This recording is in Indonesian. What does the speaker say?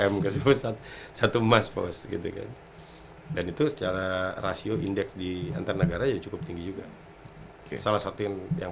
sepuluh m ke satu mas pos dan itu secara rasio indeks di antar negara yang cukup tinggi juga salah satu yang